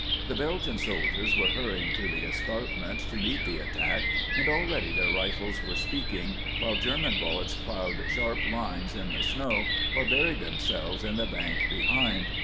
The Belgian soldiers were hurrying to the escarpment to meet the attack, and already their rifles were speaking, while German bullets ploughed sharp lines in the snow or buried themselves in the bank behind.